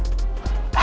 aku harus mencari dia